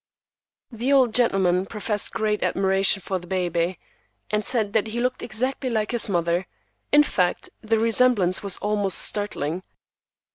The old gentleman professed great admiration for baby, and said that he looked exactly like his mother; in fact, the resemblance was almost startling.